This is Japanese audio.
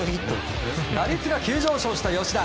打率が急上昇した吉田。